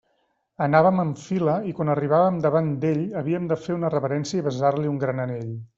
Anàvem en fila, i quan arribàvem davant d'ell havíem de fer una reverència i besar-li un gran anell.